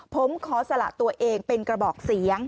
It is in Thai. ผมขอสละตัวเองเป็นกระบอกเสียง